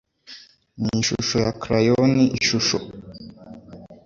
ni ishusho ya crayon ishusho